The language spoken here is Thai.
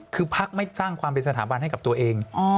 คือพักไม่สร้างความเป็นสถาบันให้กับตัวเอง